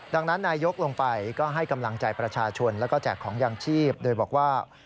ดังนั้นนายยกลงไปก็ให้กำลังใจประชาชนแล้วก็แจกของยางชีพโดยบอกว่า